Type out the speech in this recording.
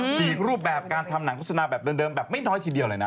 ฉีกรูปแบบการทำหนังโฆษณาแบบเดิมแบบไม่น้อยทีเดียวเลยนะ